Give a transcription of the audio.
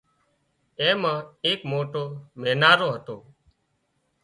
اين مان ايڪ موٽو مينارو هتو